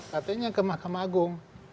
katanya ke mahkamah agung